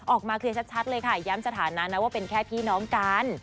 ออกมาเคลียร์ชัดเลยค่ะย้ำสถานะนะว่าเป็นแค่พี่น้องกัน